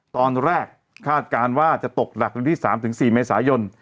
ตอนแรกคาดการณ์ว่าจะตกหนักในวิถีสามถึงสี่เมษายน